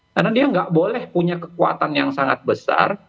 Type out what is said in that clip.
karena dia nggak boleh punya kekuatan yang sangat besar